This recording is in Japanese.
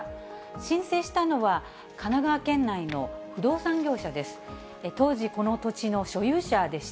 申請したのは神奈川県内の不動産業者です。